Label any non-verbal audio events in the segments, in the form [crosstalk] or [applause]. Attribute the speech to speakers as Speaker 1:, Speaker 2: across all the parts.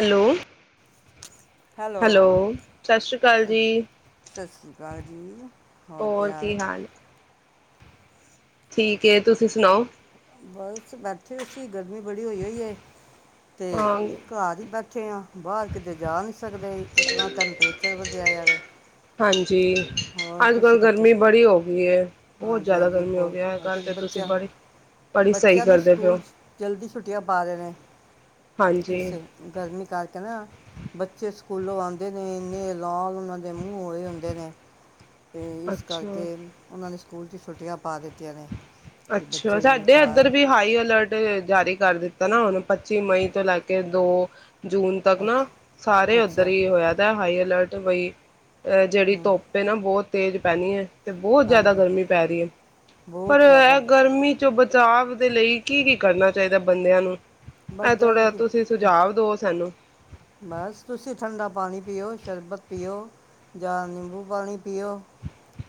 Speaker 1: Hello.
Speaker 2: Hello
Speaker 1: ਸਤਿ ਸ਼੍ਰੀ ਅਕਾਲ ਜੀ,
Speaker 2: ਸਤਿ ਸ਼੍ਰੀ ਅਕਾਲ ਜੀ। ਹੋਰ ਕੀ ਹਾਲ।
Speaker 1: ਠੀਕ ਏ। ਤੁਸੀਂ ਸੁਣਾਓ।
Speaker 2: ਬਸ ਬੈਠੇ ਹੋਏ ਸੀ। ਗਰਮੀ ਬੜੀ ਹੋਈ ਹੋਈ ਏ ਤੇ
Speaker 1: ਹਾਂ,
Speaker 2: ਘਰ ਹੀ ਬੈਠੇ ਆ। ਬਾਹਰ ਕਿਤੇ ਜਾ ਨਹੀਂ ਸਕਦੇ। ਇਤਨਾ ਟੈਂਪਰੇਚਰ ਵਧਿਆ ਹੋਇਆ ਵੈ।
Speaker 1: ਹਾਂਜੀ।
Speaker 2: ਹੋਰ ਤੁਸੀਂ
Speaker 1: ਅੱਜ-ਕੱਲ੍ਹ
Speaker 2: ਕਿੱਥੇ
Speaker 1: ਗਰਮੀ ਬੜੀ ਹੋ ਗਈ ਏ, ਬਹੁਤ
Speaker 2: ਹਾਂਜੀ
Speaker 1: ਜ਼ਿਆਦਾ
Speaker 2: ਹਾਂਜੀ
Speaker 1: ਗਰਮੀ ਹੋ ਗਈ ਐ,
Speaker 2: ਬਹੁਤ
Speaker 1: ਗੱਲ ਤੇ ਤੁਸੀਂ
Speaker 2: ਬੱਚਾ
Speaker 1: ਬੜੀ ਬੜੀ ਸਹੀ
Speaker 2: ਬੱਚਿਆਂ ਦੇ
Speaker 1: ਕਰਦੇ ਪਏ ਓ,
Speaker 2: ਸਕੂਲ ਜਲ ਦੀ ਛੁਟੀਆ ਪਾ ਦੇ ਨੇ।
Speaker 1: ਹਾਂਜੀ।
Speaker 2: ਉਸੇ ਗਰਮੀ ਕਰਕੇ ਨਾ ਬੱਚੇ ਸਕੂਲੋਂ ਆਉਂਦੇ ਨੇ ਇੰਨੇ ਲਾਲ ਉਹਨਾਂ ਦੇ ਮੂੰਹ ਹੋਏ ਹੁੰਦੇ ਨੇ। ਅਤੇ ਇਸ
Speaker 1: ਅੱਛਾ,
Speaker 2: ਕਰਕੇ ਉਹਨਾਂ ਨੇ ਸਕੂਲ 'ਚ ਛੁੱਟੀਆਂ ਪਾ ਦਿੱਤੀਆਂ ਨੇ। ਕਿ
Speaker 1: ਅੱਛਾ
Speaker 2: ਬੱਚੇ ਵੀ ਹੁਣ
Speaker 1: ਸਾਡੇ ਅ
Speaker 2: ਘਰ
Speaker 1: ਉਧਰ ਵੀ ਹਾਈ ਅਲਰਟ ਜਾਰੀ। ਕਰ ਦਿੱਤਾ ਨਾ ਹੁਨ। ਪੱਚੀ ਮਈ ਤੋਂ ਲੈ ਕੇ ਦੋ ਜੂਨ ਤੱਕ ਨਾ
Speaker 2: ਅੱਛਾ
Speaker 1: ਸਾਰੇ ਉੱਧਰ
Speaker 2: ਅੱਛਾ
Speaker 1: ਹੀ ਹੋਇਆ ਦਾ ਹਾਈ ਅਲਰਟ। ਦੁਬਈ। ਅ ਜਿਹੜੀ
Speaker 2: ਹਮ,
Speaker 1: ਧੋੱਪ ਹੈ ਨਾ ਬਹੁਤ ਤੇਜ਼ ਪੈਣੀ ਹੈ। ਤੇ ਬਹੁਤ ਜਿਆਦਾ
Speaker 2: ਹਾਂਜੀ
Speaker 1: ਗਰਮੀ ਪੈ ਰਹੀ ਹੈ ਪਰ
Speaker 2: ਬਹੁਤ ਜ਼ਿਆਦਾ
Speaker 1: ਗਰਮੀ ਚ ਬ [inaudible] ਦੇ ਲਈ ਕੀ ਕੀ ਕਰਨਾ ਚਾਹੀਦਾ ਬੰਦਿਆਂ ਨੂੰ। ਇਹ
Speaker 2: ਬੱਦਿਆਂ ਨੂੰ
Speaker 1: ਥੋੜਾ
Speaker 2: ਕੀ
Speaker 1: ਤੁਸੀਂ ਸੁਝਾਵ ਦਓ ਸਾਨੂੰ।
Speaker 2: ਬਸ ਤੁਸੀਂ ਠੰਡਾ ਪਾਣੀ ਪੀਓ। ਸ਼ਰਬਤ ਪੀਓ ਜਾਂ ਨਿੰਬੂ ਪਾਣੀ ਪੀਓ।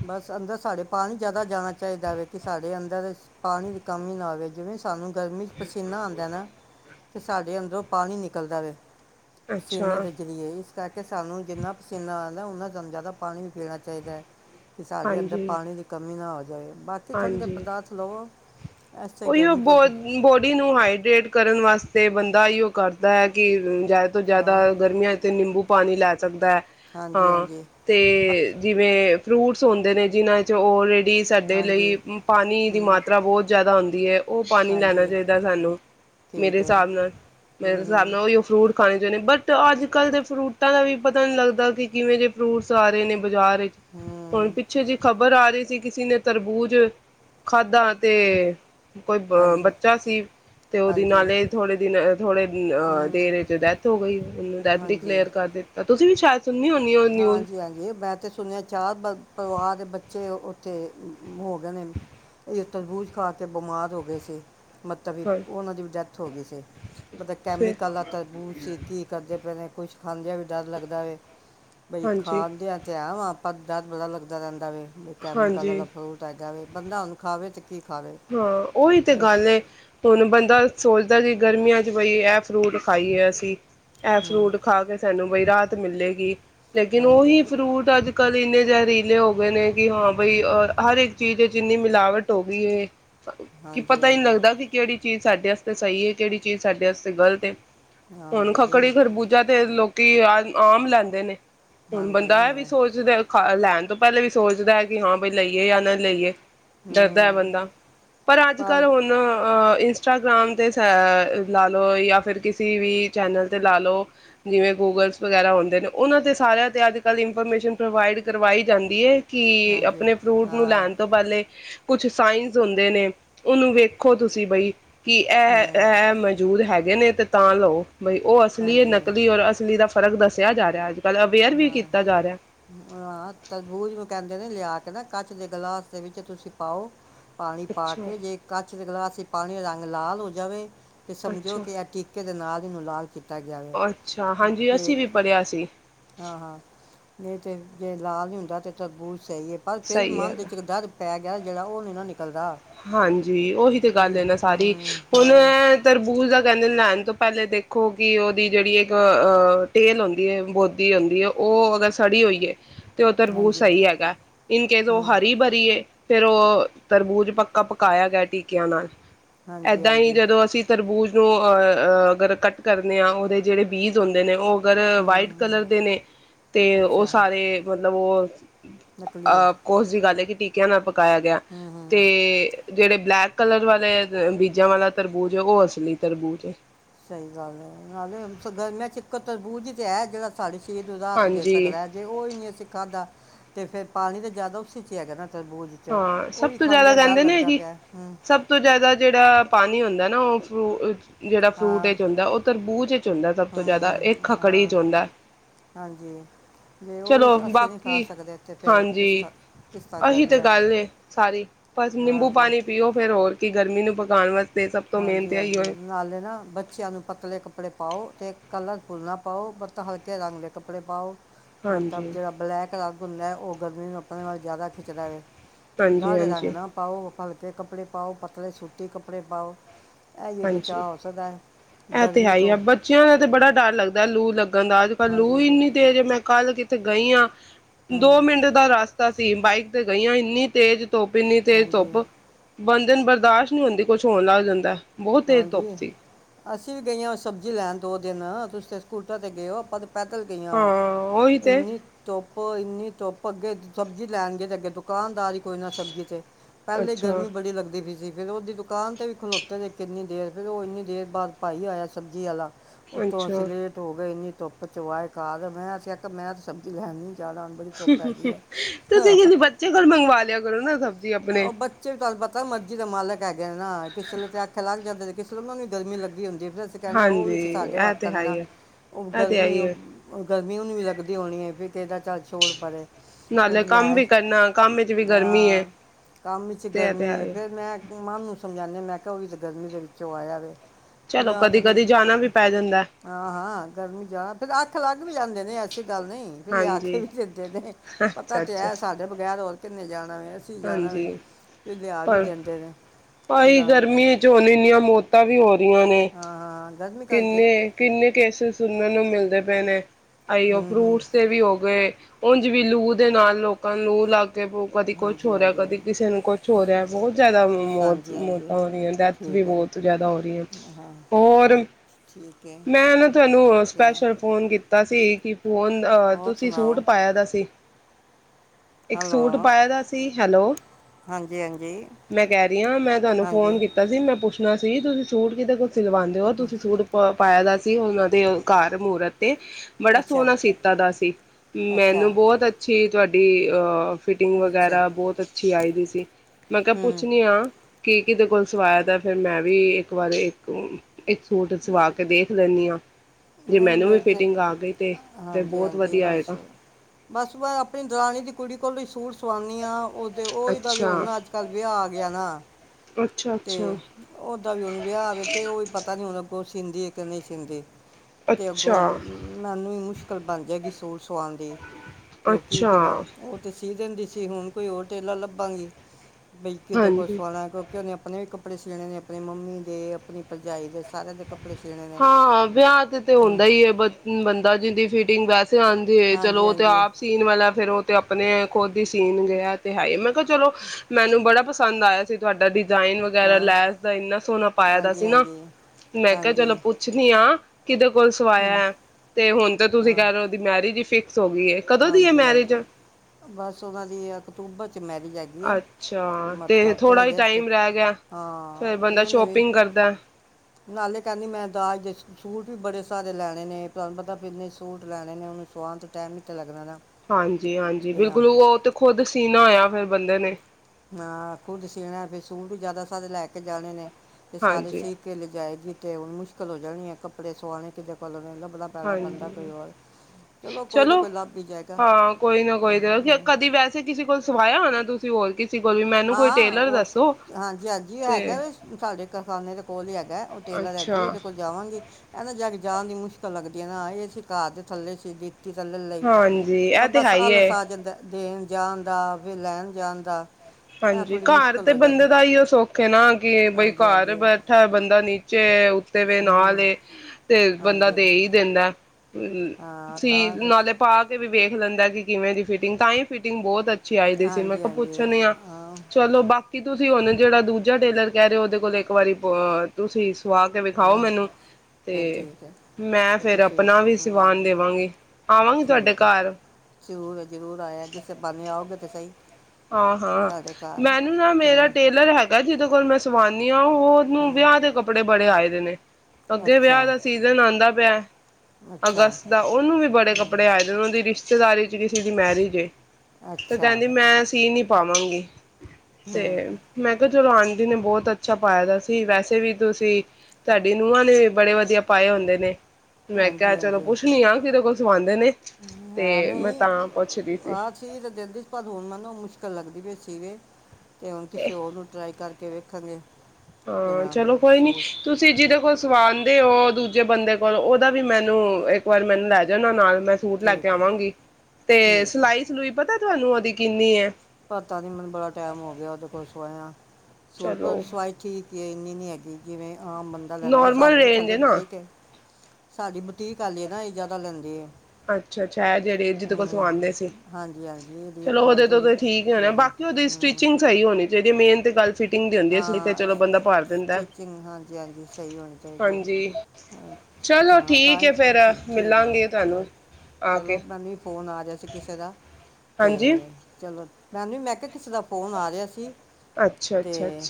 Speaker 2: ਬਸ ਅੰਦਰ ਸਾਡੇ ਪਾਣੀ ਜ਼ਿਆਦਾ ਜਾਣਾ ਚਾਹੀਦਾ ਵੈ ਕਿ ਸਾਡੇ ਅੰਦਰ ਪਾਣੀ ਦੀ ਕਮੀ ਨਾ ਆਵੇ ਜਿਵੇਂ ਸਾਨੂੰ ਗਰਮੀ ਚ ਪਸੀਨਾ ਆਦਾ ਨਾ। ਤੇ ਸਾਡੇ ਅੰਦਰੋਂ ਪਾਣੀ ਨਿਕਲਦਾ ਵੈ।
Speaker 1: ਅੱਛਾ
Speaker 2: ਪਸੀਨੇ ਦੇ ਜਰੀਏ। ਕਰਕੇ ਸਾਨੂੰ ਜਿੰਨਾ ਪਸੀਨਾ ਆਉਂਦਾ ਉਹਨਾਂ ਸਾਨੂੰ ਜ਼ਿਆਦਾ ਪਾਣੀ ਵੀ ਪੀਣਾ ਚਾਹੀਦਾ। ਸਾਡੇ ਅੰਦਰ
Speaker 1: ਹਾਂਜੀ
Speaker 2: ਪਾਣੀ ਦੀ ਕਮੀ ਨਾ ਆਵੇ। [unintelligible] ਬਾਕੀ ਠੰਡੇ ਪਦਾਰਥ ਲਵੋ। ਐਸੇ
Speaker 1: ਉਹੀ ਉਹ
Speaker 2: ਗਰਮੀ ਤੋਂ ਦ-
Speaker 1: ਬ ਬੋਡੀ ਨੂੰ ਹਾਈਡ੍ਰੇਟ ਕਰਨ ਵਾਸਤੇ ਤੇ ਬੰਦਾ ਉਹ ਕਰਦਾ ਹੈ ਕਿ ਜ਼ਿਆਦਾ ਤੋਂ
Speaker 2: ਹਾਂ
Speaker 1: ਜ਼ਿਆਦਾ ਗਰਮੀਆਂ ਅਤੇ ਨਿੰਬੂ ਪਾਣੀ ਲੈ ਸਕਦਾ ਹੈ
Speaker 2: ਹਾਂਜੀ
Speaker 1: ਹਾਂ
Speaker 2: ਹਾਂਜੀ ਪਤ
Speaker 1: ਤੇ ਜਿਵੇਂ ਫਰੂਟਸ ਹੁੰਦੇ ਨੇ ਜਿਨ੍ਹਾਂ ਚ ਉਹ ਰੇ ਸਾਡੇ
Speaker 2: ਹਾਂਜੀ
Speaker 1: ਲਈ ਪਾਣੀ ਦੀ
Speaker 2: ਹੂੰ
Speaker 1: ਮਾਤਰਾ ਬਹੁਤ ਜਿਆਦਾ ਹੁੰਦੀ ਦੀਏ ਉਹ ਪਾਣੀ ਲੈਣਾ
Speaker 2: ਹਾਂਜੀ
Speaker 1: ਚਾਹੀਦਾ ਸਾਨੂੰ ਮੇਰੇ
Speaker 2: ਠੀਕ ਹੈ
Speaker 1: ਹਿਸਾਬ ਨਾਲ ਮੇਰੇ
Speaker 2: ਹੂੰ
Speaker 1: ਹਿਸਾਬ
Speaker 2: ਹੂੰ
Speaker 1: ਨਾਲ ਉਹੀ ਉਹ ਫਰੂਟ ਖਾਣੇ ਚਾਹੁੰ ਨੇ ਬਟ ਅੱਜ ਕੱਲ੍ਹ ਦੇ ਫਰੂਟਾਂ ਦਾ ਵੀ ਪਤਾ ਨਹੀਂ ਲੱਗਦਾ ਕਿ ਕਿਵੇਂ ਜੇ ਫਰੂਟਸ ਆ ਰਹੇ ਨੇ ਬਾਜ਼ਾਰ ਵਿੱਚ ਹੁਣ
Speaker 2: ਹੂੰ
Speaker 1: ਪਿੱਛੇ ਜੀ ਖ਼ਬਰ ਆ ਰਹੀ ਸੀ ਸੀ ਕਿਸੇ ਨੇ ਤਰਬੂਜ ਖਾਧਾਂ ਤੇ ਕੋਈ
Speaker 2: ਹਾਂਜੀ
Speaker 1: ਬੱਚਾ ਸੀ ਤੇ ਉਹਦੀ
Speaker 2: ਹਾਂਜੀ
Speaker 1: ਨਾਲੇ ਥੋੜੇ ਦਿਨ ਥੋੜੇ ਅਹ
Speaker 2: ਹੂੰ
Speaker 1: ਦੇਰ ਵਿੱਚ ਡੈਥ ਹੋ ਗਈ ਉਹਨੂੰ ਡੈਥ
Speaker 2: ਹਾਂਜੀ
Speaker 1: ਡਿਕਲੇਅਰ ਕਰ ਦਿੱਤਾ ਤੁਸੀਂ ਵੀ ਚ
Speaker 2: ਹਾਂਜੀ ਹਾਂਜੀ ਮੈਂ ਤੇ ਸੁਣਿਆ ਚਾਹ ਪਰਿਵਾਰ ਦੇ ਬਚ ਬੱਚੇ ਉੱਥੇ ਹੋ ਗਏ ਨੇ ਇਹ ਤਰਬੂਜ ਖਾ ਕੇ ਬਿਮਾਰ ਹੋ ਗਏ ਸੀ ਮਤਲਬ
Speaker 1: ਹਾਂ
Speaker 2: ਉਹਨਾਂ ਦੀ ਵੀ ਡੈਥ ਹੋ ਗਈ ਸੀ ਮਤਲਬ
Speaker 1: ਫਿਰ
Speaker 2: ਕੈਮੀਕਲ ਦਾ ਤਰਬੂਜ਼ ਸੀ ਕੀ ਕਰਦੇ ਪਏ ਨੇ ਕੁਛ ਖਾਂਦਿਆਂ ਵੀ ਡਰ ਲੱਗਦਾ ਹੋ ਬਈ
Speaker 1: ਹਾਂਜੀ
Speaker 2: ਖਾਦਿਆਂ ਤੇ ਆ ਵਾਂ ਪਰ ਡਾਰ ਬੜਾ ਲੱਗਦਾ ਰਹਿੰਦਾ ਹੈ ਕੈਮੀ ਕਲ
Speaker 1: ਹਾਂਜੀ
Speaker 2: ਆਲਾ ਫਰੂਟ ਹੈਗਾ ਵੇ ਬੰਦਾ ਉਹਨੂੰ ਖਾਵੇ ਤੇ ਕੀ ਖਾਵੇ
Speaker 1: ਹਾਂ ਉਹੀ ਤੇ
Speaker 2: ਇਸ
Speaker 1: ਗੱਲ ਏ ਹੁਣ ਬੰਦਾ ਸੋਚਦਾ ਸੀ ਗਰਮੀਆਂ ਚ ਬਈ ਇਹ ਫਰੂਟ ਖਾਈਏ ਅਸੀਂ ਇਹ
Speaker 2: ਹੂੰ
Speaker 1: ਫਰੂਟ ਖਾ ਕੇ ਸਾਨੂੰ ਬਈ ਰਾਤ ਮਿਲੇਗੀ ਲੇਕਿਨ
Speaker 2: ਹਾਂਜੀ
Speaker 1: ਉਹੀ ਫਰੂਟ ਅੱਜ ਕੱਲ੍ਹ ਇੰਨੇ ਜ਼ਹਿਰੀਲੇ ਹੋ ਗਏ ਨੇ ਕਿ ਹਾਂ ਬਈ ਹਰ ਇੱਕ ਚੀਜ਼ ਚ ਇੰਨੀ ਮਿਲਾਵਟ ਹੋ ਗਈ ਹੈ ਕੀ
Speaker 2: ਹਾਂਜੀ
Speaker 1: ਪਤਾ ਹੀ ਨੀ
Speaker 2: ਹਾਂਜੀ
Speaker 1: ਲੱਗਦਾ ਕਿ ਕਿਹੜੀ ਚੀਜ਼ ਸਾਡੇ ਵਸਤੇ ਸਹੀ ਹੈ ਕਿਹੜੀ ਚੀਜ਼ ਸਾਡੇ ਵਸਤੇ ਗਲਤ ਹੈ ਹੁਣ
Speaker 2: ਹਾਂਜੀ
Speaker 1: ਖੱਕੜੀ
Speaker 2: ਬਿਲ
Speaker 1: ਖਰਬੂਜਾ ਤੇ ਲੋਕ ਤੇ ਆ ਆਮ ਲੈਂਦੇ ਨੇ ਹੁਣ
Speaker 2: ਹਾਂਜੀ
Speaker 1: ਬੰਦਾ ਇਹ ਵੀ ਸੋਚਦਾ ਲੈਣ ਤੋਂ ਪਹਿਲੇ ਵੀ ਸੋਚਦਾ ਹੈ ਕਿ ਹਾਂ ਬਈ ਲਈਏ ਜਾਂ ਨਹੀਂ ਲਈਏ ਡਰਦਾ ਹੈ
Speaker 2: ਹੂੰ
Speaker 1: ਬੰਦਾ ਪਰ ਅੱਜ ਕੱਲ੍ਹ ਹੁਣ ਇੰਸਟਾਗ੍ਰਾਮ 'ਤੇ ਸ ਲਾ ਲਓ ਜਾਂ ਫਿਰ ਕਿਸੇ ਵੀ ਚੈਨਲ 'ਤੇ ਲਾ ਲਓ ਜਿਵੇਂ ਗੂਗਲਸ ਵਗੈਰਾ ਹੁੰਦੇ ਨੇ ਉਹਨਾਂ 'ਤੇ ਸਾਰਿਆਂ 'ਤੇ ਅੱਜ ਕੱਲ੍ਹ ਇਨਫੋਰਮੇਸ਼ਨ ਪ੍ਰੋਵਾਈਡ ਕਰਵਾਈ ਜਾਂਦੀ ਹੈ ਕਿ
Speaker 2: ਹਾਂਜੀ
Speaker 1: ਆਪਣੇ ਫਰੂਟ ਨੂੰ
Speaker 2: ਹਾਂ
Speaker 1: ਲੈਣ ਤੋਂ ਪਹਿਲੇ ਕੁਛ ਸਾਇੰਸ ਹੁੰਦੇ ਨੇ ਉਹਨੂੰ ਵੇਖੋ ਤੁਸੀਂ ਬਈ ਕੀ ਇਹ
Speaker 2: ਹੂੰ
Speaker 1: ਇਹ ਮੌਜੂਦ ਹੈਗਾ ਗੇ ਨੇ ਤੇ ਤਾਂ ਲਓ ਭਈ ਉਹ ਅਸਲੀ ਹੈ
Speaker 2: ਹਾਂਜੀ
Speaker 1: ਨਕਲੀ ਔਰ ਅਸਲੀ ਦਾ ਫਰਕ ਦੱਸਿਆ ਜਾ ਰਿਹਾ ਅੱਜ ਕੱਲ੍ਹ ਅਵੇਅਰ ਵੀ
Speaker 2: ਹਾਂ
Speaker 1: ਕੀਤਾ ਜਾ ਰਿਹਾ
Speaker 2: ਹਾਂ ਤ ਬੂਜ ਕਹਿੰਦੇ ਨੇ ਲਿਆ ਕੇ ਨਾ ਕੱਚ ਦੇ ਗਲਾਸ ਦੇ ਵਿੱਚ ਤੁਸੀਂ ਪਾਓ ਪਾਣੀ ਪਾ
Speaker 1: ਅੱਛਾ
Speaker 2: ਕੇ ਜੇ ਕੱਚ ਗਲਾਸੀ ਪਾਣੀ ਰੰਗ ਲਾਲ ਹੋ ਜਾਵੇ ਤੇ ਸਮਝੋ
Speaker 1: ਅੱਛਾ
Speaker 2: ਕਿ ਆ ਟੀਕੇ ਦੇ ਨਾਲ ਹੀ ਨੂੰ ਲਾਲ ਕੀਤਾ ਗਿਆ ਵੇ
Speaker 1: ਅੱਛਾ ਹਾਂਜੀ
Speaker 2: ਤੇ
Speaker 1: ਅਸੀਂ ਵੀ ਪੜ੍ਹਿਆ ਸੀ
Speaker 2: ਹਾਂ ਹਾਂ ਨਹੀਂ ਤਾਂ ਜੇ ਲਾਲ ਨਹੀਂ ਹੁੰਦਾ ਤਾਂ ਤਰਬੂਜ਼ ਸਹੀ ਹੈ ਪਰ ਫਿਰ ਵੀ
Speaker 1: ਸਹੀ
Speaker 2: ਮਨ
Speaker 1: ਹੈਗਾ
Speaker 2: ਵਿੱਚ ਇੱਕ ਦਰਦ ਪੈ ਗਿ ਯਰ ਜਿਹੜਾ ਉਹ ਨਾ ਨ
Speaker 1: ਹਾਂਜੀ ਉਹੀ ਤੇ ਗੱਲ ਹੈ ਨਾ ਸਾਰੀ
Speaker 2: ਹਮ
Speaker 1: ਹੁਣ
Speaker 2: ਹਾਂ
Speaker 1: ਇਹ ਤਰਬੂਜ਼ ਦਾ ਕਹਿੰਦੇ ਲੈਣ ਤੋਂ ਪਹਿਲੇ ਦੇਖੋ ਕਿ ਉਹਦੀ ਜਿਹੜੀ ਇੱਕ ਅਹ ਢੇਲ ਹੁੰਦੀ ਹੈ ਬੋਦੀ ਹੁੰਦੀ ਹੈ, ਉਹ ਅਗਰ ਸੜੀ ਹੋਈਏ ਤੇ ਉਧਰ ਬੂ
Speaker 2: ਹਾਂਜੀ
Speaker 1: ਸਹੀ ਹੈਗਾ ਇਨਕੇਸ ਉਹ
Speaker 2: ਹਮ
Speaker 1: ਹਰੀ ਬਰੀ ਏ ਫੇਰ ਉਹ ਤਰਬੂਜ ਪੱਕ ਪੱਕਾ ਪਕਾਇਆ ਗਿਆ ਟੀਕਿਆਂ ਨਾਲ
Speaker 2: ਹਾਂਜੀ
Speaker 1: ਏਦਾਂ ਹੀ
Speaker 2: ਹਾਂਜੀ
Speaker 1: ਜਦੋਂ ਅਸੀਂ ਤਰਬੂਜ ਨੂੰ ਅ ਅਗਰ ਕੱਟ ਕਰਦੇ ਹਾਂ ਉਹਦੇ ਜਿਹੜੇ ਬੀਜ ਹੁੰਦੇ ਨੇ ਉਹ ਅਗਰ ਵਾਈਟ
Speaker 2: ਹਮ
Speaker 1: ਕਲਰ ਦੇ ਨੇ ਤੇ ਉਹ
Speaker 2: ਅੱਛਾ
Speaker 1: ਸਾਰੇ ਮਤਲਬ ਉਹ [unintelligible]
Speaker 2: ਨਕਲੀ ਹੈ
Speaker 1: ਆਹ ਕੋਸ ਦੀ ਗੱਲ ਹੈ ਕਿ ਕਹਿ ਨ ਆਪ ਪਕਾਇਆ ਗਿਆ
Speaker 2: ਹਮ ਹਮ
Speaker 1: ਤੇ ਜਿਹੜੇ ਬਲੈਕ ਕਲਰ ਵਾਲੇ ਬੀਜਾਂ ਵਾਲਾ ਤਰਬੂਜ ਹੈ, ਉਹ ਅਸਲੀ ਤਰਬੂਜ ਹੈ।
Speaker 2: ਸਹੀ ਗੱਲ ਹੈ ਨਾਲੇ ਗਰਮੀਆਂ ਚ ਇੱਕ ਤਰਬੂਜ ਤੇ ਹੈ ਜਿਹੜਾ ਸਾਡੇ ਕੀ ਉਹਦਾ ਹੱਥ ਦੇ
Speaker 1: ਹਾਂਜੀ
Speaker 2: ਸਕਦਾ ਹੈ ਜੇ ਉਹ ਨੀ ਏ ਸਿੱਖਾਂ ਦਾ ਅਤੇ ਫਿਰ ਪਾਣੀ ਤਾਂ ਜ਼ਿਆਦਾ ਉਸਚਿਆ ਹੈਗਾ ਨਾ ਤਰਬੂਜ ਚ
Speaker 1: ਹਾਂ,
Speaker 2: ਉਹ
Speaker 1: ਸਭ
Speaker 2: ਵੀ
Speaker 1: ਤੋਂ ਜ਼ਿਆਦਾ
Speaker 2: ਖਾਂਦਿਆਂ ਡਰ
Speaker 1: ਕਹਿੰਦੇ ਨੇ
Speaker 2: ਲੱਗਦਾ
Speaker 1: ਕਿ
Speaker 2: ਪਿਆ ਹੈ। ਹਮ
Speaker 1: ਸਭ ਤੋਂ ਜ਼ਿਆਦਾ ਜਿਹੜਾ ਪਾਣੀ ਹੁੰਦਾ ਦੇ ਨਾ ਉਹ ਫਰੂ ਜਿਹੜਾ ਫਰੂਟ
Speaker 2: ਹਾਂ
Speaker 1: ਚ ਹੁੰਦਾ ਉਹ ਤਰਬੂਜ ਚ ਹੁੰਦਾ ਸਭ ਤੋਂ ਜ਼ਿਆਦਾ ਇਹ
Speaker 2: ਹਮ
Speaker 1: ਖੱਕੜੀ
Speaker 2: ਹਾਂ
Speaker 1: ਚ ਹੁੰਦਾ,
Speaker 2: ਹਾਂਜੀ ਜੇ ਉਹ
Speaker 1: ਚਲੋ
Speaker 2: ਇਸ ਅਸੀਂ ਨਹੀਂ ਖਾ
Speaker 1: ਬਾਕੀ
Speaker 2: ਸਕਦੇ ਇੱਥੇ ਫਿਰ ਕਿਸ
Speaker 1: ਹਾਂਜੀ
Speaker 2: ਤਰ੍ਹਾਂ ਕਿਸ ਤਰ੍ਹਾਂ
Speaker 1: ਅਸੀਂ ਤੇ
Speaker 2: ਗਰਮੀਆਂ
Speaker 1: ਗੱਲ ਏ ਸਾਰੀ ਬਸ ਨਿੰਬੂ
Speaker 2: ਹਾਂਜੀ
Speaker 1: ਪਾਣੀ ਪੀਓ ਫੇਰ ਹੋਰ ਕੀ ਗਰਮੀ ਨੂੰ ਪਕਾਉਣ ਵਾਸਤੇ ਸਭ ਤੋਂ ਮੇਨ ਤੇ ਇਹੀਓ
Speaker 2: ਹਾਂਜੀ-ਹਾਂਜੀ,
Speaker 1: ਏ
Speaker 2: ਨਾਲੇ ਨਾ ਬੱਚਿਆਂ ਨੂੰ ਪਤਲੇ ਕੱਪੜੇ ਪਾਓ ਤੇ ਕਲਰ ਫੁੱਲ ਨਾ ਪਾਓ, ਬੱਤਾ ਹਲਕੇ ਰੰਗ ਦੇ ਕੱਪੜੇ ਪਾਓ।
Speaker 1: ਹਾਂਜੀ
Speaker 2: ਮਤਲਬ ਜਿਹੜਾ ਬਲੈਕ ਲੱਗਦਾ ਹੁੰਦਾ ਉਹ ਗਰਮੀ ਨੂੰ ਆਪਣੇ ਨਾਲ ਜ਼ਿਆਦਾ ਖਿੱਚਦਾ ਦੇ।
Speaker 1: ਹਾਂਜੀ
Speaker 2: ਗਾਲੇ ਰੰਗ
Speaker 1: ਹਾਂਜੀ
Speaker 2: ਨਾ ਪਾਓ ਹਲਕ ਤੇ ਕਪੜੇ ਪਾਓ ਪਤਲੇ ਸੂਟੀ ਕੱਪੜੇ ਪਾਓ। ਇਹੀ ਅ
Speaker 1: ਹਾਂਜੀ
Speaker 2: ਬਚਾਅ ਹੋ ਸਕਦਾ।
Speaker 1: ਇਹ ਤੇ ਹੈ
Speaker 2: ਗਰਮੀ
Speaker 1: ਹੀ ਆ
Speaker 2: ਤੋਂ
Speaker 1: ਬੱਚਿਆਂ ਦਾ ਤੇ ਬੜਾ ਡਰ ਲੱਗਦਾ ਲੂ ਲੱਗ ਗੰਦਾਜ ਕੱਲ
Speaker 2: ਹਾਂਜੀ
Speaker 1: ਲੂ
Speaker 2: ਹਾਂਜੀ
Speaker 1: ਇੰਨੀ ਤੇਜ਼ ਜੇ ਮੈਂ ਕੱਲ ਤੇ ਗਈ ਆਂ ਦੋ
Speaker 2: ਹੂੰ
Speaker 1: ਮਿੰਟ ਦਾ ਰਾਸ ਤ ਸੀ ਬਾਈਕ ਤੇ ਗਈਆਂ ਇੰਨੀ ਤੇਜ਼ ਧੁੱਪ ਇੰਨ੍ਹੀਂ ਤੇਜ
Speaker 2: ਹਾਂਜੀ
Speaker 1: ਧੁੱਪ ਬੰਦੇ ਨੂੰ ਬਰਦਾਸ਼ਤ ਨਈਂ ਹੁੰਦੀ ਕੁਛ ਹੋਣ ਲੱਗ ਜਾਂਦਾ ਬਹੁਤ ਤੇਜ ਧੁੱਪ
Speaker 2: ਹਾਂਜੀ
Speaker 1: ਸੀ।
Speaker 2: ਅਸੀਂ ਵੀ ਗਈਆਂ ਸਬਜ਼ੀ ਲੈਣ ਦੋ ਦਿਨ ਤੁਸੀਂ ਅਤੇ ਸਕੂਟਰ ਤੇ ਗਏ ਓ ਆਪਾਂ ਤੇ ਪੈਦਲ ਗਈਆਂ
Speaker 1: ਹਾਂ
Speaker 2: ਵਾਂ
Speaker 1: ਉਹੀ ਤੇ
Speaker 2: ਇੰਨੀ ਧੁੱਪ ਇੰਨੀਂ ਧੁੱਪ ਅੱਗੇ ਸਬਜ਼ੀ ਲੈਣ ਗੇ ਤੇ ਅੱਗੇ ਦੁਕਾਨਦਾਰ ਈ ਕੋਈ ਨਾ ਸਬਜ਼ੀ ਚ ਪਹਿਲੇ
Speaker 1: ਅੱਛਾ
Speaker 2: ਗਰਮੀ ਬੜੀ ਲੱਗਦੀ ਪਈ ਸੀ। ਵਿਰੋਧੀ ਕਾਨ ਤੇ ਵੀ ਖਲੋਤੇ ਦੇ ਇੰਨੀ ਦੇਰ ਫਿਰ ਉਹ ਇੰਨੀ ਦੇਰ ਬਾਅਦ ਪਾਈ ਆਇਆ ਸਬਜ਼ੀ ਵਾਲਾ ਉਤੋਂ ਅਸੀਂ
Speaker 1: ਅੱਛਾ
Speaker 2: ਲੇਟ ਹੋ ਗਏ ਇੰਨੀਂ ਧੁੱਪ ਚਵਾਏ ਖਾ ਦੇ ਮੈਂਸੀ ਆਖ ਮੈਂ ਤਾਂ ਸਬਜ਼ੀ ਲੈਣ ਨਹੀਂ ਜਾਣਾ ਹੁਣ ਬੜੀ ਧੁੱਪ ਹੈਗੀ
Speaker 1: ਤੁਸੀਂ
Speaker 2: ਹੈ
Speaker 1: ਕਹਿੰਦੇ ਬੱਚੇ ਕੋਲ ਮੰਗਵਾ ਲਿਆ ਕਰੋ ਨਾ ਸਭ
Speaker 2: ਉਹ ਬੱਚੇ ਵੀ ਤੁਹਾਨੂੰ ਪਤਾ ਮਰਜੀ ਦੇ ਮਾਲਕ ਹੈਗੇ ਨੇ ਨਾ, ਕਿਸੇ ਵੇਲੇ ਤੇ ਆਖੇ ਲੱਗ ਜਾਂਦੇ ਨੇ ਕਿਸੇਰ ਉਹਨਾਂ ਨੂੰ ਗਰਮੀ ਲੱਗੀ ਹੁੰਦੀ ਐ ਫਿਰ ਅਸੀਂ ਕਹਿੰਣੇ ਆਂ, ਉਹ
Speaker 1: ਹਾਂਜੀ
Speaker 2: ਵੀਥੇ ਸਾਡੇ
Speaker 1: ਇਹ ਤੇ
Speaker 2: ਵਾਕਰ ਨੇ
Speaker 1: ਹੈ
Speaker 2: ਨਾ
Speaker 1: ਹੀ ਹੈ
Speaker 2: ਉਹ
Speaker 1: ਇਹ ਤੇ ਹੈ
Speaker 2: ਗਰਮੀ ਏ
Speaker 1: ਹੀ ਹੈ
Speaker 2: ਉਹ ਗਰਮੀ ਉਨੂੰ ਵੀ ਲੱਗਦੀ ਹੋਣੀ ਐ ਫਿਰ ਕਹੀਦਾ ਚੱਲ ਛੋੜ ਪਰੇ ਉਹ
Speaker 1: ਨਾਲੇ
Speaker 2: ਵੀ
Speaker 1: ਕੰਮ
Speaker 2: ਲੈ,
Speaker 1: ਕਰਨਾ ਕੰਮ ਵਿੱਚ ਵੀ ਗਰਮੀ ਹੈ
Speaker 2: ਆਂ ਕੰਮ ਵਿਚ
Speaker 1: ਤੇ ਇਹ ਤੇ
Speaker 2: ਗਰਮੀ
Speaker 1: ਹੈ
Speaker 2: ਐ
Speaker 1: ਹੀ ਹੈ।
Speaker 2: ਫਿਰ ਮੈਂ ਮਨ ਨੂੰ ਸਮਝਾਣੇ, ਮੈਂ ਕਿਹਾ ਉਹ ਵੀ ਗਰਮੀ ਦੇ ਵਿੱਚੋਂ ਆਇਆ ਵੇ
Speaker 1: ਚਲੋ
Speaker 2: ਜਾਂ ਤੇ
Speaker 1: ਕਦੀ
Speaker 2: ਫਿਰ
Speaker 1: ਕਦੀ
Speaker 2: ਬ
Speaker 1: ਜਾਣਾ ਵੀ ਪੈ ਜਾਂਦਾ
Speaker 2: ਹਾਂ ਹਾਂ, ਗਰਮੀ ਜਾਂ ਫਿਰ ਆਖੇ ਲੱਗ ਵੀ ਜਾਂਦੇ ਨੇ ਐਸੀ ਗੱਲ ਨਹੀਂ ਫਿਰ ਲਿਆ ਕੇ
Speaker 1: ਹਾਂਜੀ
Speaker 2: ਵੀ ਦਿੰਦੇ ਨੇ ਪਤਾ
Speaker 1: ਅੱਛਾ
Speaker 2: ਤੇ
Speaker 1: ਅੱਛਾ
Speaker 2: ਐ ਸਾਡੇ ਬਗੈਰ ਹੋਰ ਕਿੰਨੇ ਜਾਣਾ ਵੇ ਅਸੀਂ ਤੇ
Speaker 1: ਹਾਂਜੀ, ਪਰ
Speaker 2: ਨੇ ਫਿਰ
Speaker 1: ਭਾਈ
Speaker 2: ਹਾਂ
Speaker 1: ਗਰਮੀ ਚ ਹੁਣ ਇੰਨੀਆਂ ਮੌਤਾਂ ਵੀ ਹੋ ਰਹੀਆਂ ਨੇ
Speaker 2: ਹਾਂ, ਹਾਂ। ਗਰਮੀ ਕਰਕੇ
Speaker 1: ਕਿੰਨੇ, ਕਿੰਨੇ ਕੇਸਿਸ ਸੁਣਨ ਨੂੰ ਮਿਲਦੇ ਵ ਨੇ ਆਈ ਉਹ
Speaker 2: ਹੂੰ ਹੂੰ
Speaker 1: ਫਰੂਟਸ ਦੇ ਵੀ ਹੋ ਗਏ ਉਂਝ ਵੀ ਲੂ ਦੇ ਨਾਲ ਲੋਕਾਂ ਨੂੰ ਲੂ ਲੱਗ ਕਿ ਕਦੀ ਕੁਛ
Speaker 2: ਹਾਂਜੀ
Speaker 1: ਹੋ ਰਿਹਾ
Speaker 2: ਹਾਂਜੀ
Speaker 1: ਕਦੀ ਕਿਸੇ ਨੂੰ ਕੁਛ ਹੋ ਰਿਹਾ ਬਹੁਤ ਜ਼ਿਆਦਾ ਮੌਤ
Speaker 2: ਹਾਂਜੀ ਹਾਂਜੀ
Speaker 1: ਮੌਤਾਂ ਹੋ ਰਹੀਆਂ ਡੈਥ ਵੀ
Speaker 2: ਠੀਕ ਹੈ
Speaker 1: ਬਹੁਤ ਜ਼ਿਆਦਾ ਹੋ ਰਹੀਆਂ,
Speaker 2: ਹਾਂ
Speaker 1: ਹੋਰ।
Speaker 2: ਠੀਕ ਹੈ
Speaker 1: ਮੈਂ ਨਾ ਤੁਹਾਨੂੰ
Speaker 2: ਕਿਵੇਂ
Speaker 1: ਸਪੈਸ਼ਲ ਫੋਨ ਕੀਤਾ ਤਾ ਸੀ ਕਿ ਫੋਨ ਅਹ
Speaker 2: ਹੋਰ
Speaker 1: ਤੁਸੀਂ ਸੂਟ
Speaker 2: ਸੁਣਾਓ
Speaker 1: ਪਾਇਆ ਦਾ ਸੀ ਇੱਕ ਸੂਟ
Speaker 2: ਹੈਲੋ
Speaker 1: ਪਆ ਦਾ ਸੀ ਹੈਲੋ
Speaker 2: ਹਾਂਜੀ ਹਾਂਜੀ
Speaker 1: ਮੈਂ ਕਹਿ ਰਹੀ ਹਾਂ ਮੈਂ ਤੁਹਾਨੂੰ ਫੋਨ
Speaker 2: ਹਾਂਜੀ
Speaker 1: ਕੀਤਾ ਸੀ ਮੈਂ ਪੁੱਛ ਨਾ ਸੀ ਤੁਸੀਂ ਛੂਟ ਕਿਤੇ ਕੁਈ ਸਿਲਵਾਉਂਦੇ ਹੋ ਤੁਸੀਂ ਪਾਇਆ ਦਾ ਸੀ ਉਹਨਾਂ ਦੇ ਘਰ ਮੂਰਤ ਤੇ ਬੜਾ
Speaker 2: ਅੱਛਾ
Speaker 1: ਸੋਹਣਾ ਸੀਤਾ ਦਾ ਸੀ
Speaker 2: ਅੱਛਾ
Speaker 1: ਮੈਨੂੰ ਬਹੁਤ ਅੱਛਾ ਕੀ ਤੁਹਾਡੀ ਫਿਟਿੰਗ
Speaker 2: ਅੱਛਾ
Speaker 1: ਵਗੈਰਾ ਬਹੁਤ ਅੱਛੀ ਆਈ ਦੀ ਸੀ ਮੈਂ ਕਿਹਾ
Speaker 2: ਹੂੰ
Speaker 1: ਪੁੱਛਣੀ ਹਾਂ ਕੀ ਕਿਦੇ ਕੋਲ ਸਵਾਇਆ ਤਾਂ ਫਿਰ ਮੈਂ ਵੀ ਇੱਕ ਵਾਰੀ ਇੱਕ ਸੂਟ ਚਵਾਕ ਦੇ ਧਨੀਆ
Speaker 2: ਨਹੀਂ ਮੇਰੇ ਤੇ
Speaker 1: ਤੇ
Speaker 2: ਹਾਂਜੀ
Speaker 1: ਬਹੁਤ
Speaker 2: ਹਾਂਜੀ
Speaker 1: ਵਧੀਆ
Speaker 2: ਬਸ
Speaker 1: ਆਏਗਾ
Speaker 2: ਬਸ ਮੈਂ ਆਪਣੀ ਦਲਾਨਣੀ ਦੀ ਕੁੜੀ ਕੋਲੋਂ ਹੀ ਸੂਟ ਸਵਾਨੀਆਂ ਉਹਦੇ ਉਹੀ ਤਾਂ ਵੀ
Speaker 1: ਅੱਛਾ
Speaker 2: ਹੁਣ ਅੱਜ ਕੱਲ੍ਹ ਵਿਆਹ ਆ ਗਿਆ ਨਾ
Speaker 1: ਅੱਛਾ ਅੱਛਾ
Speaker 2: ਤੇ ਉਹਦਾ ਵੀ ਉਹ ਵਿਆਹ ਤੇ ਉਹ ਵੀ ਪਤਾ ਨੀ ਹੋਣ ਲੱਗ ਸੀ ਸਿੰਧੀ ਇੱਕ ਨਹੀਂ ਸਿੰਧੀ ਤੇ ਅੱਗੋਂ
Speaker 1: ਅੱਛਾ
Speaker 2: ਆਨਾਂ ਨੂੰ ਵੀ ਮੁਸ਼ਕਿਲ ਲ ਬਣ ਜਾਏਗੀ ਸੋਰਸ ਸ ਦੀ
Speaker 1: ਅੱਛਾ
Speaker 2: ਕਿਂਕਹ ਨਾ ਉਹ ਤੇ ਸੀ ਦਿਨ ਦੀ ਸੀ ਹੁਣ ਕੋਈ ਹੋਰ ਟੇਲਰ ਲੱਭਾਂਗੀ ਬਈ ਕਿਤੇ ਕੋਲ
Speaker 1: ਹਾਂਜੀ
Speaker 2: ਸਵਾਾਲਣਾ ਕਿਉਂਕਿ ਉਹਨੇ ਆਪਣੇ ਵੀ ਕੱਪੜੇ ਸਿਣੇ ਨੇ ਆਪਣੀ ਮੰਮੀ ਦੇ ਆਪਣੀ ਭਰਜਾਈ ਦੇ ਸਾਰਿਆਂ ਦੇ ਕੱਪੜੇ ਸੀਣੇ ਨੇ
Speaker 1: ਹਾਂ ਵਿਆਹ ਤੇ ਤੇ
Speaker 2: ਹਮ,
Speaker 1: ਹੁੰਦਾ ਹੀਈ ਹੈ ਬ ਬੰਦਾ ਜਿ ਫੀਡਿੰਗ ਵਾਤੇ ਹਾਂਜੀ ਚਲੋ ਉਹ ਤੇ ਆਪ ਸੀਨ ਵਾਲਾ ਫੇਰ ਉਹ ਤੇ ਆਪਣੇ ਖੁਦ ਹੀ ਸੀਨ ਗਿਆ ਤੇ ਹੈਏ ਮੈਂ ਕਿਹਾ ਚਲੋ ਮੈਨੂੰ ਬੜਾ ਪਸੰਦ ਆਇਆ ਸੀ ਤੁਹਾਡਾ ਦੀਸਾਇਨ ਵਗੈਰਾ
Speaker 2: ਹਾਂ
Speaker 1: ਲੈਸ ਦਾ ਇੰਨਾ ਸੋਹਣਾ ਪਾਇਆ ਦਾ
Speaker 2: ਹਾਂਜੀ
Speaker 1: ਸੀ ਨਾ
Speaker 2: ਹਾਂਜੀ
Speaker 1: ਮੈਂ ਕਿਹਾ ਚਲੋ
Speaker 2: ਹਾਂਜੀ
Speaker 1: ਪੁੱਛਣੀ ਆ ਕਿਹਦੇ ਕੋਲ ਸਵਾਇਆ ਹੈ ਤੇ ਹੁਣ ਤੇ ਤੁਸੀਂ
Speaker 2: ਹਾਂ,
Speaker 1: ਕਹਿ ਰਹੇ ਹੋ ਉਹਦੀ ਮੈਰਿਜ ਹੀ ਫਿਕਸ ਹੋ ਗਈ ਹੈ ਕਦੋਂ ਦੀ ਹੈ
Speaker 2: ਹਾਂਜੀ
Speaker 1: ਮੈਰਿਜ
Speaker 2: ਹਾਂਜੀ ਬਸ ਉਹਨਾਂ ਦੀ ਅਕਤੂਬਰ ਚ ਮੈਰਿਜ ਹੈਗੀ ਹੈ
Speaker 1: ਅੱਛਾ
Speaker 2: ਮਤ ਤੇ
Speaker 1: ਥੋੜ੍ਹਾ ਹੀ
Speaker 2: ਹਜੇ ਤੇ
Speaker 1: ਟਾਈਮ ਰਹਿ ਗਿਆ
Speaker 2: ਹਾਂ
Speaker 1: ਫਿਰ
Speaker 2: ਤੇ
Speaker 1: ਬੰਦਾ
Speaker 2: ਨੇ ਵੀ
Speaker 1: ਸ਼ੋਪਿੰਗ ਕਰਦਾ
Speaker 2: ਨਾਲੇ ਕਹਿੰਦੀ ਮੈਂ ਦਾਜ ਦੇ ਸੂਟ ਵੀ ਬੜੇ ਸਾਰੇ ਲੈਣੇ ਤੁਹਾਨੂੰ ਪਤਾ ਕਿਨੇ ਸੂਟ ਲੈਣੇ ਨੇ ਉਹਨੂੰ ਸੁਆਉਨ ਟੈਮ [unintelligible]
Speaker 1: ਹਾਂਜੀ ਹਾਂਜੀ ਬਿਲਕੁਲ ਉਹ ਤੇ ਖੁਦ ਸੀਨਾ ਹੋਇਆ ਫਿਰ ਬੰਦੇ ਨੇ
Speaker 2: ਹਾਂ ਖੁੱਦ ਸਿਣਾ ਫ ਸੂਟ ਵੀ ਜ਼ਿਆਦਾ ਸਾਰੇ ਲੈ ਕੇ ਜਾਣੇ ਨੇ ਤੇ ਸਾਰੇ
Speaker 1: ਹਾਂਜੀ
Speaker 2: ਸੀ ਕੇ ਲੈ ਜਾਏਗੀ ਅਤੇ ਹੁਣ ਮੁਸ਼ਕਿਲ ਹੋ ਜਾਣੀ ਹੈੱਪੜੇ ਸਆਣੇ ਕਿੇ ਕੋਲ ਲ
Speaker 1: ਹਾਂਜੀ
Speaker 2: ਕੋਈ ਨਾ
Speaker 1: ਚਲੋ
Speaker 2: ਕੋਈ ਲੱਭ ਹੀ ਜਾਏਗਾ
Speaker 1: ਹਾਂ ਕੋਈ ਨਾ
Speaker 2: ਤੇ
Speaker 1: ਕੋਈ
Speaker 2: ਹਾਂ।
Speaker 1: ਕਦੇ ਵੈਸੇ ਕਿਸੇ ਕੋਲ ਸਵਾਇਆ ਹੋਣਾ ਤੁਸੀਂ ਹੋਲ ਕਿਸ
Speaker 2: ਹਾਂ ਉਹ ਹਾਂਜੀ ਅਜੀ
Speaker 1: ਤੇ
Speaker 2: ਹੈਗਾ ਵੀ ਸਾਡੇ ਕਿਸਾਨੇ ਦੇ ਕੋਲ ਹੀ ਹੈਗਾ ਉਹ ਟੇਲਰ ਹੈਗੀ
Speaker 1: ਅੱਛਾ
Speaker 2: ਉਹਦੇ ਕੋਲ ਜਾਵਾਂਗੇ ਇਹਨਾਂ ਜਾ ਕੇ ਜਾਣ ਦੀ ਮੁਸ਼ਕਿਲ ਲੱਗਦੀ ਹੈ ਨਾ ਇਹ ਸੀ ਘਰ ਦੇ ਥੱਲੇ ਸੀ
Speaker 1: ਹਾਂਜੀ
Speaker 2: [unintelligible]
Speaker 1: ਇਹ ਤੇ
Speaker 2: ਬਸ
Speaker 1: ਹੈ ਹੀ ਹੈ
Speaker 2: ਆਲਸ ਆ ਜਾਂਦੇ ਦੇਣ ਜਾਣ ਦਾ ਵੀਿਰ ਲੈਣ ਜਾਂ ਦਾ ਇਹ
Speaker 1: ਹਾਂਜੀ
Speaker 2: ਥੋੜੀ
Speaker 1: ਘਰ
Speaker 2: ਮੁਸ਼ਕਲ
Speaker 1: ਤੇ
Speaker 2: ਹੋ ਜਾਂਦੀ
Speaker 1: ਬੰਦੇ ਦਾ ਹੀਈ ਉਹ ਸੌਖੇ ਨਾ ਕਿ ਬਈ
Speaker 2: ਹਾਂਜੀ
Speaker 1: ਘਰ
Speaker 2: ਹਾਂਜੀ
Speaker 1: ਬੈਠਾ ਬੰਦਾ ਨੀ ਚੇ ਊ ਵੇ ਨਾਲ
Speaker 2: ਹੂੰ
Speaker 1: ਇਹ ਤੇ ਬੰਦਾ
Speaker 2: ਹਾਂਜੀ
Speaker 1: ਦੇ ਹੀ ਦਿੰਦਾ ਹ
Speaker 2: ਹਾਂ
Speaker 1: ਸੀ
Speaker 2: ਤਾਂ ਦੱਸ
Speaker 1: ਨਾਲੇ ਪਾ ਕੇ ਵੀ ਵੇਖ ਲੈਂਦਾ ਕਿਵੇਂ ਦੀ ਫਿਟਿੰਗ ਤਾਂ ਹੀ ਫਿਟਿੰਗ ਬਹੁਤ ਅੱਛੀ ਅਛੀ ਆਈ ਦੀ ਸੀ ਮੈਂ
Speaker 2: ਹਾਂਜੀ
Speaker 1: ਕਿਹਾ
Speaker 2: ਹਾਂਜੀ
Speaker 1: ਪੁੱਛਣ ਆ
Speaker 2: ਹਾਂ
Speaker 1: ਚਲੋ ਬਾਕੀ ਕੀ ਤੁਸੀਂ ਉਹੁਣ ਜਿਹੜਾ ਦੂਜਾ ਟੇਲਰ ਕਹਿ ਰਹੇ ਹੋ ਉਹਦੇ ਕੋਲ ਇੱਕ ਵਾਰੀ ਪ ਤੁਸੀਂ ਸੁਆਹ ਕੇ ਵਿਖਾਓ
Speaker 2: ਹੈਂ
Speaker 1: ਮੈਨੂੰ ਤੇ
Speaker 2: ਫਿਰ ਠੀਕ ਹੈ
Speaker 1: ਮੈਂ
Speaker 2: ਤੇ
Speaker 1: ਫਿਰ
Speaker 2: ਤੁਸੀਂ
Speaker 1: ਆਪਣਾ ਵੀ
Speaker 2: ਹੂੰ
Speaker 1: ਸਵਾਨ ਦੇਵਾਂਗੀ ਆਵਾਂਗੀ ਤੁਹਾਡੇ
Speaker 2: ਠੀਕ ਹੈ
Speaker 1: ਘਰ
Speaker 2: ਨਹੀਂ
Speaker 1: ਹਾਂ ਹਾਂ ਮੈਨੂੰ ਨਾ
Speaker 2: ਤੇ
Speaker 1: ਮੇਰਾ ਟੇਲਰ ਹੈਗਾ ਕਿਹਾ ਜਿਹਦੇ ਕੋਲ ਮੈਂ ਸਵਾਨੀ ਉਹਨੂੰ
Speaker 2: ਹੂੰ
Speaker 1: ਵਿਆਹ ਦੇ ਕੱਪੜੇ ਬੜੇ ਆਏ ਦੇ ਨੇ ਅੱਗੇ ਵਿਆਹ
Speaker 2: ਅੱਛਾ
Speaker 1: ਦਾ ਸੀਜਨ ਆਉਂਦਾ [unintelligible]
Speaker 2: ਅੱਛਾ
Speaker 1: ਅਗਸਤ ਦਾ ਉਹਨੂੰ ਵੀ ਬੜੇ ਕੱਪੜੇ
Speaker 2: ਹੂੰ
Speaker 1: ਆਏ ਨੇ ਉਹ ਦੀ ਰਿਸ਼ਤੇ ਰਿਸ਼ਤੇਦਾਰੀ ਚ ਕਿਸੇ ਦੀ ਮੈਰਿਜ ਏ ਤੇ
Speaker 2: ਅੱਛਾ
Speaker 1: ਕਹਿੰਦੀ ਮੈਂ ਸੂਟ ਨਹੀਂ ਪਾਵਾਂਗੀ।
Speaker 2: ਹੂੰ
Speaker 1: ਤੇ ਮੈਂ ਚਲੋ ਆਂਟੀ ਨੇ ਬਹੁਤ ਅੱਛਾ ਪਾਇਆ ਤਾਂ ਸੀ ਵੈਸੇ ਵੀ ਤੁਸੀਂ ਤੁਹਾਡੀ ਨ ਨੂੰਹਾਂ ਨੇ ਬੜੇ ਵਧੀਆ ਪਾਏ ਹੁੰਦੇ ਨੇ। ਮੈਂ ਕਿਹਾ
Speaker 2: ਹਾਂਜੀ
Speaker 1: ਚਲੋ
Speaker 2: ਹਾਂਜੀ
Speaker 1: ਪੁੱਛਣੀ ਆ ਕਿਹਦੇ ਕੋਲ ਸਵਾਂਦੀ
Speaker 2: ਹਾਂ
Speaker 1: ਰਹੀ
Speaker 2: ਨਹੀਂ ਆਹ
Speaker 1: ਸੀ
Speaker 2: ਚੀ ਤੇ ਦਿੰਦੀ ਪਰ ਹੁਣ ਮੈਨੂੰ ਮੁਸ਼ਕਿਲ ਲੱਗਦੀ ਪਈ ਸੀਗੇ। ਅਤੇ ਕਿਸੇ ਹੋਰ ਨੂੰ ਟਰਾਈ ਕਰ ਕੇ ਵੇਖਾਂਗੇ। ਕਿ
Speaker 1: ਹਾਂ
Speaker 2: ਨਾ
Speaker 1: ਚਲੋ ਕੋਈ ਨੀ
Speaker 2: ਸੂਟ
Speaker 1: ਤੁਸੀਂ ਜਿਹਦੇ ਕੋਲ ਸਵਾਂਦੇ ਹੋ ਦੂਜੇ ਬੰਦੇ ਕੋਲ ਉਹਦਾ ਵੀ ਮੈਨੂੰ ਇੱਕ ਵਾਰ ਮੈਨੂੰ ਲੈ ਜਾ ਉਹਨਾਂ ਨਾਲ। ਮੈਂ ਸੂਟ ਲੈ ਕੇ
Speaker 2: ਠੀਕ ਹੈ
Speaker 1: ਆਵਾਂਗੀ ਤੇ
Speaker 2: ਠੀਕ ਹੈ
Speaker 1: ਸਿਲਾਈ ਸਲੂਈ ਪਤਾ ਤੁਹਾਨੂੰ ਉਹਦੀ ਕਿੰਨੀ ਏ
Speaker 2: ਪਤਾ ਨੀ ਮੈਨੂੰ ਬੜਾ ਟਾਈਮ ਹੋ ਗਿਆ ਉਹਦੇ ਕੁਛ ਸਵਾਇਆ। ਸੂਟ
Speaker 1: ਚਲੋ
Speaker 2: ਦੀ ਸਵਾਈ ਠੀਕ ਕਿ ਇਹ ਇੰਨੀ ਨਹੀਂ ਹੈਗੀ ਜਿਵੇਂ ਆਮ ਬੰਦਾ ਲੈਂਦਾ
Speaker 1: ਨੋਰਮਲ
Speaker 2: ਸਾਡੀ ਤਾਂ
Speaker 1: ਰੇਂਜ
Speaker 2: ਥੱਲੇ
Speaker 1: ਨਾ
Speaker 2: ਬੁਟੀਕ ਹੈ। ਸਾਡੀ ਬੁਟੀਕ ਘਾਲੀਏ ਨਾ ਇਹ ਜ਼ਿਆਦਾ ਲੈਂਦੀ ਐ।
Speaker 1: ਅੱਛਾ ਅੱਛਾ ਐ ਜਿਹੜੇ ਜਿਦੇ ਕੋਲ ਸਵਾਉਂਦੇ ਸੀ।
Speaker 2: ਹਾਂਜੀ ਹਾਂਜੀ ਇਹਦੀ
Speaker 1: ਚਲੋ
Speaker 2: ਸਵਾਈ
Speaker 1: ਉਹਦੇ
Speaker 2: ਥੋੜੀ
Speaker 1: ਤੋਂ ਠੀਕ
Speaker 2: ਜ਼ਿਆਦਾ
Speaker 1: ਬਾਕੀ ਉਹਦੀ
Speaker 2: ਹੂੰ
Speaker 1: ਸਟਿਚਿੰਗ ਸਹੀ ਹੋਣੀ। ਜਿਹੜੇ ਮੇਨ ਤੇ ਗੱਲ ਫਿਟਿੰਗ ਦੀ ਹੁੰਦੀ ਹੈ ਇਸ ਲਈ ਤੇ
Speaker 2: ਹਾਂ
Speaker 1: ਚਲੋ ਬੰਦਾ ਭਰ ਦਿੰਦਾ
Speaker 2: ਸਟਿਚਿੰਗ ਹਾਂਜੀ ਹਾਂਜੀ ਸਹੀ ਹੋਣੀ ਚਾਹੀਦੀ ਹੈ,
Speaker 1: ਹਾਂਜੀ ਚਲੋ
Speaker 2: ਅੱਛਾ ਤਾਂ
Speaker 1: ਠੀਕ ਹੈ ਫਿਰ
Speaker 2: ਹੀ ਠੀਕ ਹੈ।
Speaker 1: ਮਿਲਾਂਗੇ ਤੁਹਾਨੂੰ ਆ
Speaker 2: ਚਲੋ
Speaker 1: ਕੇ
Speaker 2: ਪਹਿਲੀ ਫ਼ੋਨ ਆ ਰਿਹਾ ਸੀ ਕਿਸੇ ਦਾ। ਤੇ
Speaker 1: ਹਾਂਜੀ
Speaker 2: ਚਲੋ [unintelligible] ਤੇ ਕਿਸੇ ਦਾ ਫੋਨ ਆ ਰਿਹਾ ਸੀ।
Speaker 1: ਅੱਛਾ ਅੱਛਾ ਅੱਛਾ
Speaker 2: ਤੇ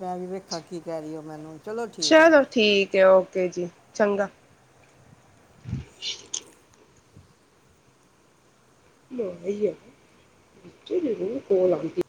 Speaker 2: ਮੈਂ ਵੀ ਵੇਖਾਂ ਕੀ ਕਹਿ ਰਹੀ ਓਹ ਮੈਨੂੰ। ਠੀਕ ਹੈ
Speaker 1: ਚਲੋ ਠੀਕ ਹੈ ਓਕੇ ਓਕੇ ਜੀ ਚੰਗਾ [unintelligible] ਕੋਲ ਆਂਦੀ